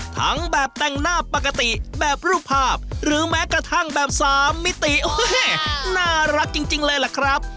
ทั้งแบบแต่งหน้าปกติแบบรูปภาพหรือแม้กระทั่งแบบสามมิติน่ารักจริงเลยล่ะครับ